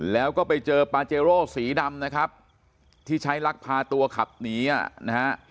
แล้วก็ไปเจอปาเจโร่สีดำนะครับที่ใช้ลักพาตัวขับหนีอ่ะนะฮะ